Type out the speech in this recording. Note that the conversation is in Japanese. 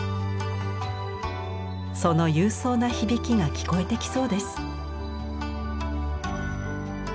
その勇壮な響きが聞こえてきそうです。